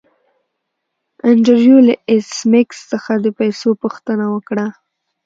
انډریو له ایس میکس څخه د پیسو پوښتنه وکړه